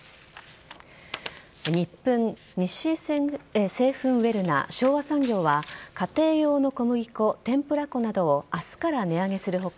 ニップン、日清製粉ウェルナ昭和産業は家庭用の小麦粉、天ぷら粉などを明日から値上げする他